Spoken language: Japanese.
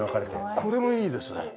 これもいいですね。